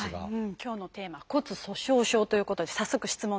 今日のテーマ「骨粗しょう症」ということで早速質問です。